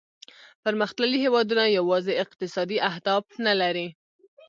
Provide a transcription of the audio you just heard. پرمختللي هیوادونه یوازې اقتصادي اهداف نه لري